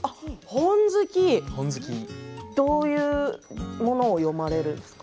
どういうものを読まれるんですか？